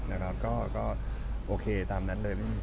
โอเคตามเนอะตามนั้นเลยไม่มีที่ปล่อย